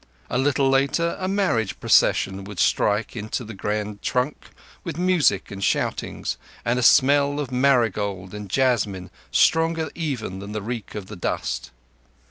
A little later a marriage procession would strike into the Grand Trunk with music and shoutings, and a smell of marigold and jasmine stronger even than the reek of the dust.